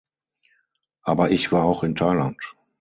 Aber ich war auch in Thailand.